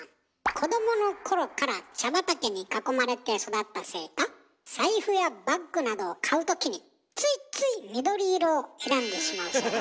子供の頃から茶畑に囲まれて育ったせいか財布やバッグなどを買う時についつい緑色を選んでしまうそうです。